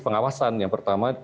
pengawasan yang pertama